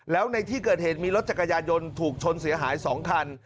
แล้วในที่เกิดเหตุมีรถจักรยานยนต์ถูกชนเสียหาย๒คัน